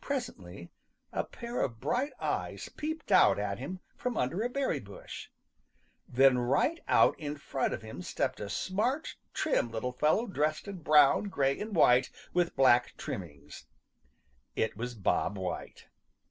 Presently a pair of bright eyes peeped out at him from under a berry bush. Then right out in front of him stepped a smart, trim little fellow dressed in brown, gray and white with black trimmings. It was Bob White.